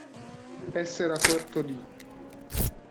Essere a corto di.